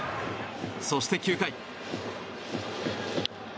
そして９回。